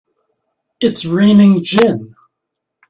It's raining gin!